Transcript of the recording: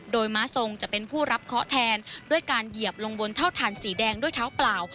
โดยม้าทรงจะเป็นผู้รับเคาะแทนด้วยการเหยียบลงบนเท่าฐานสีแดงด้วยเท้าเปล่า